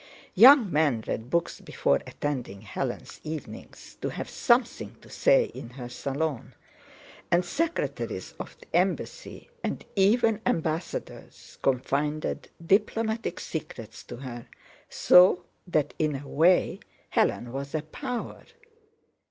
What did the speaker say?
Young men read books before attending Hélène's evenings, to have something to say in her salon, and secretaries of the embassy, and even ambassadors, confided diplomatic secrets to her, so that in a way Hélène was a power.